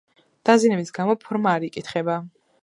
დაზიანების გამო ფორმა არ იკითხება.